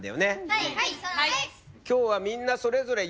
はい！